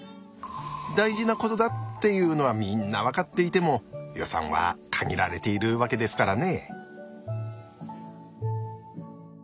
大事なことだっていうのはみんな分かっていても予算は限られているわけですからね。